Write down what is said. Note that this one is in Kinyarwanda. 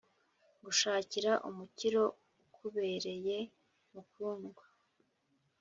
Ngushakira umukiro ukubereye mukundwa